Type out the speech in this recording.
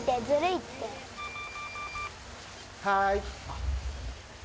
・はい。